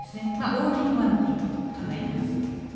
オールインワンってことで考えています。